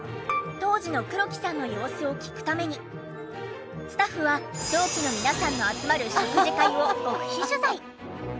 当時の黒木さんの様子を聞くためにスタッフは同期の皆さんの集まる食事会を極秘取材！